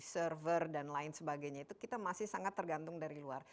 server dan lain sebagainya